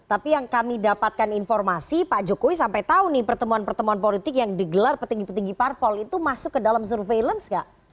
tapi yang kami dapatkan informasi pak jokowi sampai tahu nih pertemuan pertemuan politik yang digelar petinggi petinggi parpol itu masuk ke dalam surveillance gak